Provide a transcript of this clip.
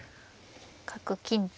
角金と。